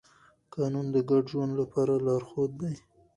قانون د ګډ ژوند لپاره لارښود دی.